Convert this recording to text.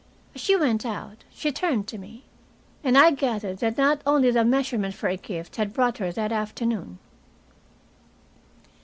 As she went out, she turned to me, and I gathered that not only the measurement for a gift had brought her that afternoon.